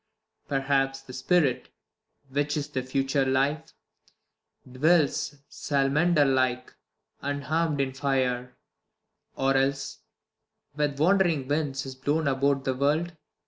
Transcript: Perhaps the spirit, which is future life. Dwells salamander like, unharm'd in fire : Or else with wand'ring winds is blown al^out The world.